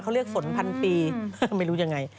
เขาเรียกฝนพันปีไม่รู้ยังไง